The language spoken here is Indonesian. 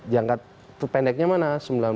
jangka terpendeknya mana